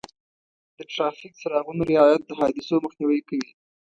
د ټرافیک څراغونو رعایت د حادثو مخنیوی کوي.